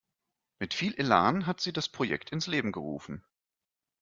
Mit viel Elan hat sie das Projekt ins Leben gerufen.